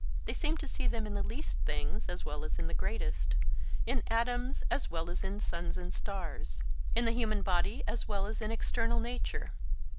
They seemed to see them in the least things as well as in the greatest; in atoms, as well as in suns and stars; in the human body as well as in external nature.